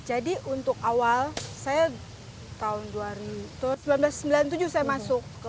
jadi untuk awal saya tahun seribu sembilan ratus sembilan puluh tujuh saya masuk